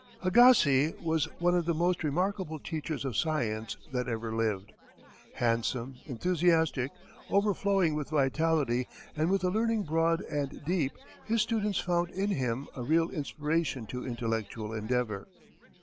Agassiz was one of the most remarkable teachers of science that ever lived. Handsome, enthusiastic, overflowing with vitality, and with a learning broad and deep, his students found in him a real inspiration to intellectual endeavor.